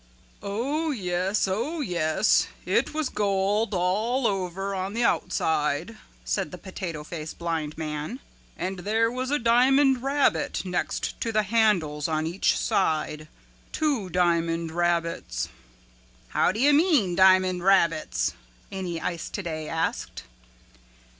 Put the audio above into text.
"Oh, yes, oh, yes, it was gold all over on the outside," said the Potato Face Blind Man, "and there was a diamond rabbit next to the handles on each side, two diamond rabbits." "How do you mean diamond rabbits?" Any Ice Today asked.